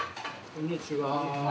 こんにちは！